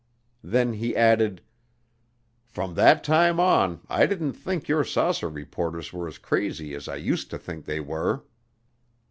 Then he added, "From that time on I didn't think your saucer reporters were as crazy as I used to think they were."